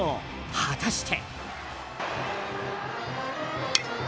果たして。